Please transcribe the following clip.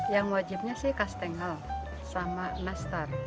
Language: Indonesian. yang wajibnya sih kastengel sama nastar